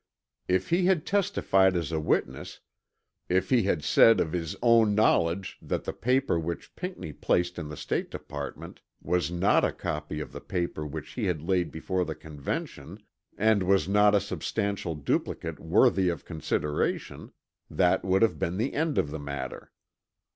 If he had testified as a witness; if he had said of his own knowledge that the paper which Pinckney placed in the State Department was not a copy of the paper which he had laid before the Convention and was not a substantial duplicate worthy of consideration, that would have been the end of the matter.